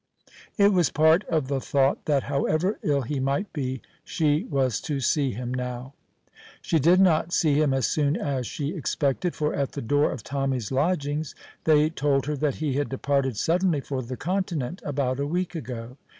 It was part of the thought that, however ill he might be, she was to see him now. She did not see him as soon as she expected, for at the door of Tommy's lodgings they told her that he had departed suddenly for the Continent about a week ago.